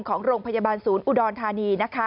ของโรงพยาบาลศูนย์อุดรธานี